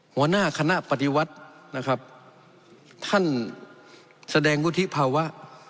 หัวหน้าคณะปฏิวัตินะครับท่านแสดงวุฒิภาวะ